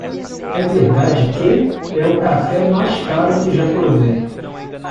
É verdade que? é o café mais caro que já provei.